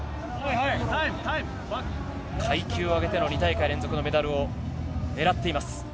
階級を上げての２大会連続のメダルを狙っています。